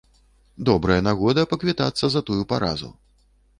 Добрая нагода паквітацца за тую паразу.